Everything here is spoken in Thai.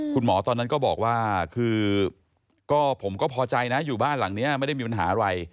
ตอนนั้นก็บอกว่าคือก็ผมก็พอใจนะอยู่บ้านหลังนี้ไม่ได้มีปัญหาอะไร